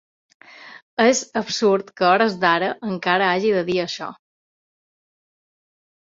És absurd que a hores d’ara encara hagi de dir això.